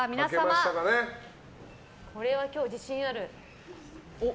これは今日、自信ある。